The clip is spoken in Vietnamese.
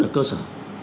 ở cơ sở